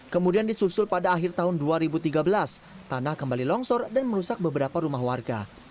kemudian disusul pada akhir tahun dua ribu tiga belas tanah kembali longsor dan merusak beberapa rumah warga